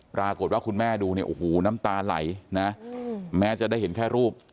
ปรากฏว่าคุณแม่ดูเนี่ยโอ้โหน้ำตาไหลนะแม้จะได้เห็นแค่รูป